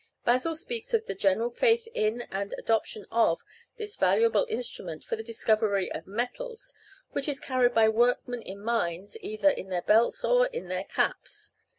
Basil speaks of the general faith in and adoption of this valuable instrument for the discovery of metals, which is carried by workmen in mines, either in their belts or in their caps.